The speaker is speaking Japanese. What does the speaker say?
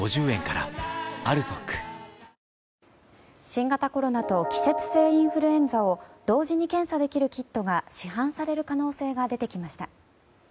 新型コロナと季節性インフルエンザを同時に検査できるキットが市販される可能性が出てきました。